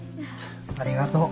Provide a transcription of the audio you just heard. ありがとう。